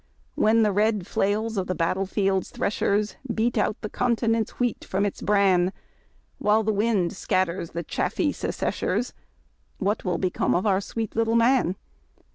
When the red flails of the battlefield's threshers Beat out the continent's wheat from its bran, While the wind scatters the chaffy secesliers. What will become of our sweet little man?